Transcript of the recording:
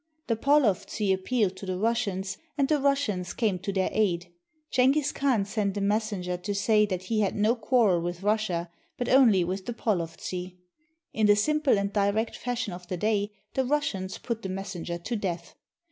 The Polovtsi appealed to the Russians, and the Russians came to their aid. Jenghiz Khan sent a messenger to say that he had no quarrel with Russia, but only with the Polovtsi. In the simple and direct fashion of the day, the Russians put the messenger to death.